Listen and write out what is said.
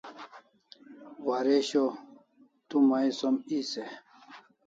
Waresho o tu mai som es e?